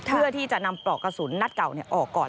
เพื่อที่จะนำปลอกกระสุนนัดเก่าออกก่อน